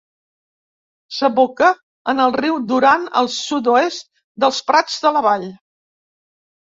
S'aboca en el riu Duran al sud-oest dels Prats de la Vall.